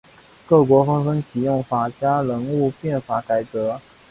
各国纷纷启用法家人物变法改革。